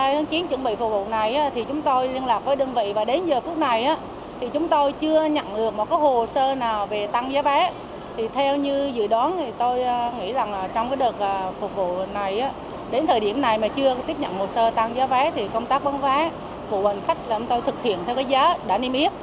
đến thời điểm này mà chưa tiếp nhận một sơ tăng giá váy thì công tác bán váy phụ huynh khách làm tôi thực hiện theo cái giá đã niêm yếp